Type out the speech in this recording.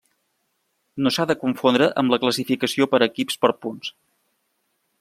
No s'ha de confondre amb la classificació per equips per punts.